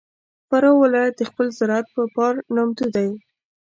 فراه ولایت د خپل زراعت په پار نامتو دی.